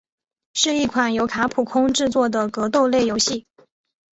是一款由卡普空制作的格斗类游戏。